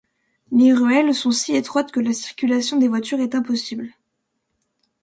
Les ruelles sont si étroites que la circulation des voitures est impossible.